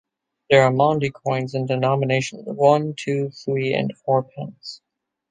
There are Maundy coins in denominations of one, two, three and four pence.